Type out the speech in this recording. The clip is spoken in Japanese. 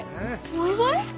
お祝い？